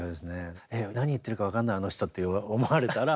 「何言ってるか分かんないあの人」って思われたらもうダメ。